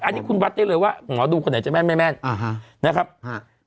อันนี้คุณวัดได้เลยว่าหมอดูคนไหนจะแม่นแม่แม่นอ่าฮะนะครับฮะ